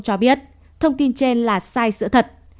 cho biết thông tin trên là sai sự thật